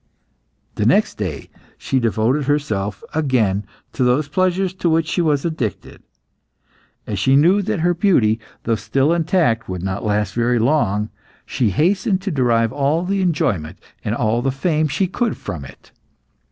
The next day, she devoted herself again to those pleasures to which she was addicted. As she knew that her beauty, though still intact, would not last very long, she hastened to derive all the enjoyment and all the fame she could from it.